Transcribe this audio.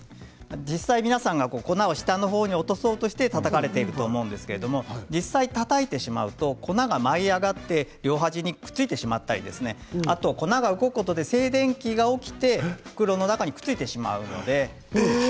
皆さん、粉を下のほうに落とそうと思ってたたかれていると思うんですけれども実際に、たたいてしまうと粉が舞い上がって両端にくっついてしまったり粉が動くことで静電気が起きて袋の中にくっついてしまうので。